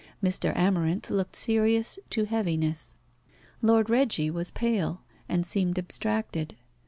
Mr. Amarinth looked serious to heaviness. Lord Reggie was pale, and seemed abstracted.